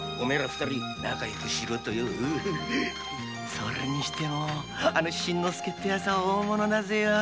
それにしてもあの新之助ってヤツは大物になるぜ。